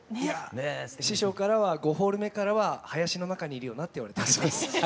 いや師匠からは５ホール目からは林の中にいるよなって言われております。